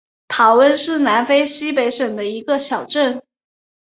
塔翁是南非西北省的一个小镇。